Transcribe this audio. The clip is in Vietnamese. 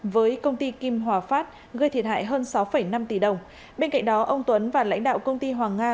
với công ty kim hòa phát gây thiệt hại hơn sáu năm tỷ đồng bên cạnh đó ông tuấn và lãnh đạo công ty hoàng nga